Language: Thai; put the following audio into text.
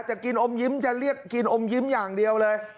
จะกินอมยิ้มจะเรียกกินอมยิ้มอย่างเดียวเลย